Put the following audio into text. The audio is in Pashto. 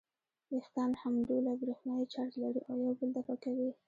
وېښتان همډوله برېښنايي چارج لري او یو بل دفع کوي.